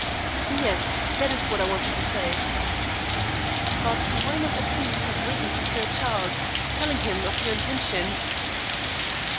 "Yes, that is what I wanted to say." "But why not at least have written to Sir Charles, telling him of your intentions?"